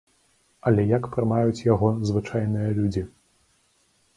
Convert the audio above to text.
Але як прымаюць яго звычайныя людзі?